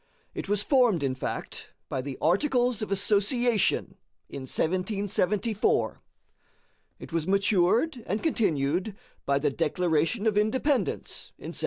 It was formed, in fact, by the Articles of Association in 1774. It was matured and continued by the Declaration of Independence in 1776.